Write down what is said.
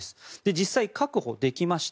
実際、確保できました。